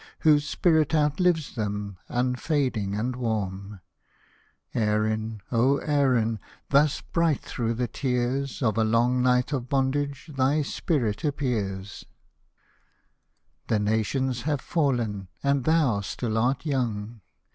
Whose spirit outlives them, unfading and warm. C Hosted by Google i8 IRISH MELODIES Erin, O Erin, thus bright thro' the tears Of a long night of bondage, thy spirit appears. The nations have fallen, and thou still art young.